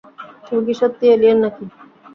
তুমি কী সত্যিই এলিয়েন নাকি?